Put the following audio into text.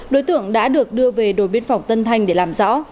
đối tượng đã được đưa về đồn biên phòng tân thanh để làm rõ